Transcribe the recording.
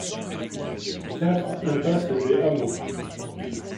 quatre impasse des Hameaux